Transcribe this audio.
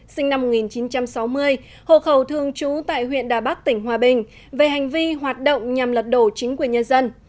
sinh năm một nghìn chín trăm sáu mươi hộ khẩu thương chú tại huyện đà bắc tỉnh hòa bình về hành vi hoạt động nhằm lật đổ chính quyền nhân dân